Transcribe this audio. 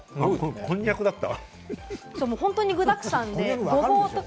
これ、こんにゃくだった。